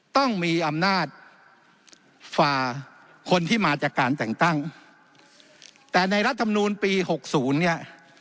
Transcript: ต้องมีอำนาจฝ่าคนที่มาจากการแต่งตั้งแต่ในรัฐธรรมนูลปีหกศูนย์เนี่ย